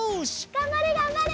がんばれがんばれ！